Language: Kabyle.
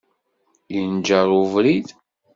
Yenǧer ubrid.